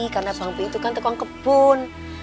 karena bang pih itu kan tekong kebun